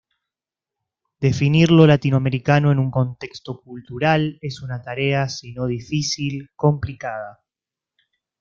Definir lo latinoamericano en un contexto cultural es una tarea si no difícil, complicada.